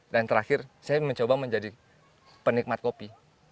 terakhir saya mencoba menjadi penikmat kopi